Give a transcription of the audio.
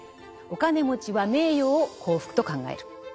お金持ちは「名誉」を幸福と考える。